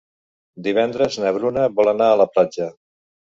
Divendres na Bruna vol anar a la platja.